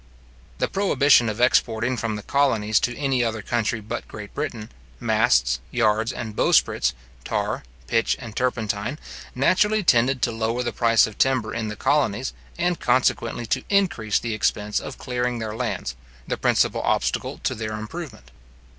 The prohibition of exporting from the colonies to any other country but Great Britain, masts, yards, and bowsprits, tar, pitch, and turpentine, naturally tended to lower the price of timber in the colonies, and consequently to increase the expense of clearing their lands, the principal obstacle to their improvement.